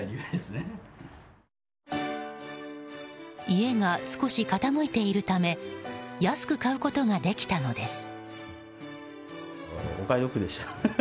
家が少し傾いてるため安く買うことができたのです。